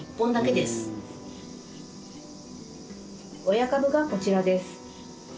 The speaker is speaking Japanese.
親株がこちらです。